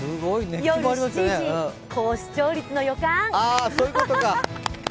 午後７時、高視聴率の予感。